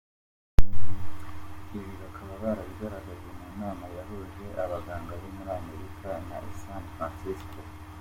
Ibi bakaba barabigaragarije mu nama yahuje abaganga bo muri Amerika i San Francisco.